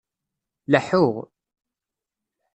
Laḥuɣ